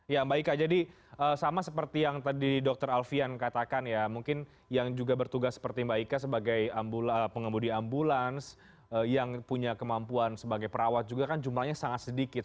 ya mbak ika jadi sama seperti yang tadi dokter alfian katakan ya mungkin yang juga bertugas seperti mbak ika sebagai pengemudi ambulans yang punya kemampuan sebagai perawat juga kan jumlahnya sangat sedikit